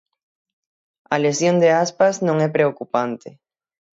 A lesión de Aspas non é preocupante.